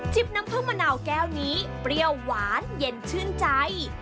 น้ำผึ้งมะนาวแก้วนี้เปรี้ยวหวานเย็นชื่นใจ